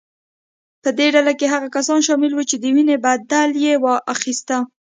په دې ډله کې هغه کسان شامل وو چې د وینې بدله یې اخیسته.